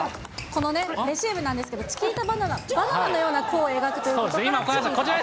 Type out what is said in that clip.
このね、レシーブなんですけど、チキータバナナ、バナナのような弧を描くということから。